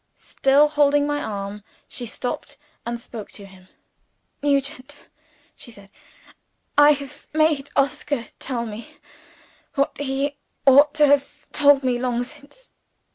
Still holding my arm, she stopped and spoke to him. "Nugent," she said, "I have made Oscar tell me what he ought to have told me long since."